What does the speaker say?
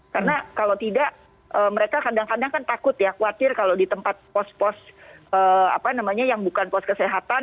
karena kalau tidak mereka kadang kadang kan takut ya khawatir kalau di tempat pos pos yang bukan pos kesehatan